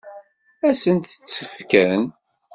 Ad sent-tt-fken?